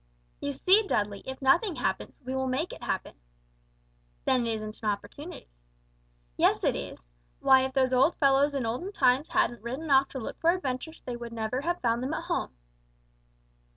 "You see, Dudley, if nothing happens, we will make it happen!" "Then it isn't an opportunity." "Yes it is. Why if those old fellows in olden times hadn't ridden off to look for adventures they would never have found them at home."